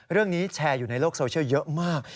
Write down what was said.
แชร์อยู่ในโลกโซเชียลเยอะมาก